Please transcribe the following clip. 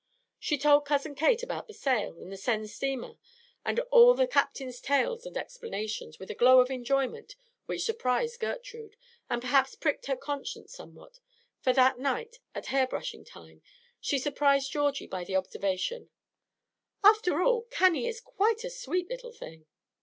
She told Cousin Kate about the sail and the seine steamer, and all the Captain's tales and explanations, with a glow of enjoyment which surprised Gertrude, and perhaps pricked her conscience somewhat; for that night, at hair brushing time, she surprised Georgie by the observation, "After all, Cannie is quite a sweet little thing."